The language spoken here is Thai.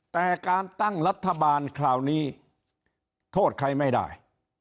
แต่การตั้งรัฐบาลคราวนี้โทษใครไม่ได้